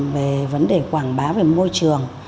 về vấn đề quảng bá về môi trường